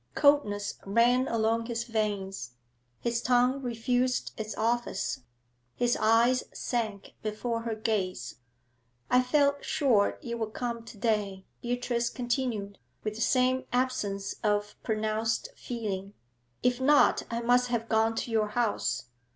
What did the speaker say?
Coldness ran along his veins; his tongue refused its office; his eyes sank before her gaze. 'I felt sure you would come to day,' Beatrice continued, with the same absence of pronounced feeling. 'If not, I must have gone to your house.